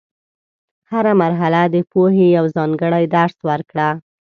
هره مرحله د پوهې یو ځانګړی درس ورکړه.